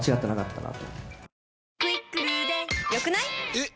えっ！